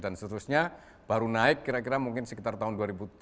dan seterusnya baru naik kira kira mungkin sekitar tahun dua ribu delapan belas